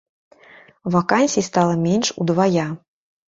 Вакансій стала менш удвая.